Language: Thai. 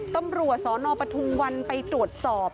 ตำรวจสนปทุมวันไปตรวจสอบ